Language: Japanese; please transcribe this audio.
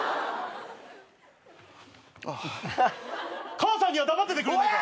母さんには黙っててくれねえか。